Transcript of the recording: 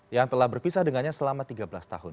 yang telah berpisah dengannya selama tiga belas tahun